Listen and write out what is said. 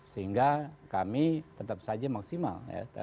sehingga kami tetap saja maksimal